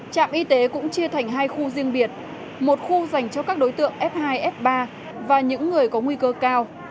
trạm y tế cũng chia thành hai khu riêng biệt một khu dành cho các đối tượng f hai f ba và những người có nguy cơ cao